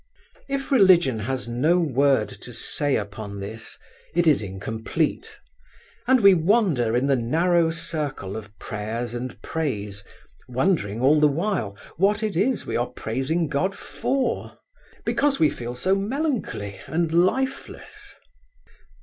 If religion has no word to say upon this it is incomplete, and we wander in the narrow circle of prayers and praise, wondering all the while what is it we are praising God for, because we feel so melancholy and lifeless.